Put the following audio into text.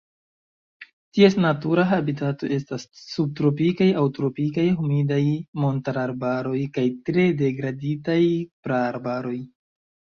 Ties natura habitato estas subtropikaj aŭ tropikaj humidaj montararbaroj kaj tre degraditaj praarbaroj.